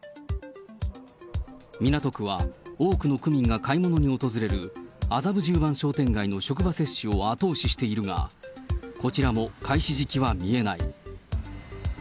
港区は、多くの区民が買い物に訪れる麻布十番商店街の職場接種を後押ししているが、こちらも開始時期は見えない。